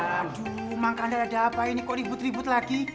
aduh makanan ada apa ini kok ribut ribut lagi